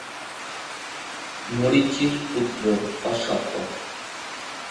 মরীচি-র পুত্র কশ্যপ।